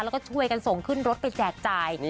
แล้วก็ช่วยกันส่งขึ้นรถไปแจกจ่าย